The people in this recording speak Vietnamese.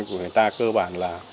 của người ta cơ bản là